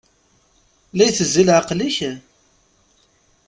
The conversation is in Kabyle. La itezzi leɛqel-ik?